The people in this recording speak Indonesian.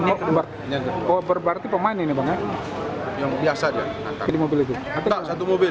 sudah berarti pemain yang biasa